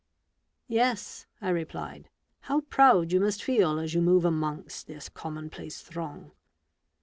"Yes," I replied; "how proud you must feel as you move amongst this commonplace throng